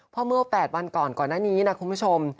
เพราะเมื่อ๘วันก่อนก่อนหน้านี้นะคุณผู้ชม